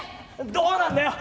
どうなんだよ？